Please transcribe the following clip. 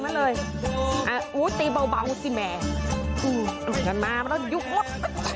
นั้นเลยอ่ะอู๋ตีเบาสิแม่อืมมาแล้วยุ๊บหมด